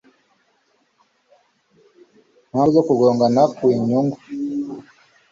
mpamvu zo kugongana kw inyungu